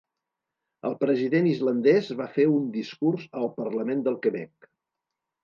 El president islandès va fer un discurs al parlament del Quebec